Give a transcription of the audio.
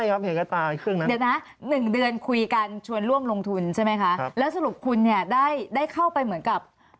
หนึ่งเดือนคุยกันชวนร่วมลงทุนใช่ไหมคะแล้วสรุปพูดเนี่ยได้ได้เข้าไปเหมือนกับ